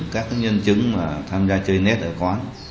các nhân chứng tham gia chơi net ở quán